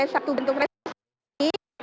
satu bentuk resmi